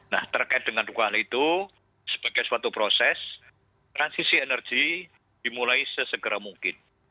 nah terkait dengan dua hal itu sebagai suatu proses transisi energi dimulai sesegera mungkin